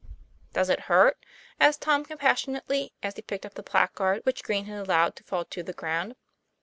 " Does it hurt ?" asked Tom compassionately, as he picked up the placard, which Green had allowed to fall to the ground.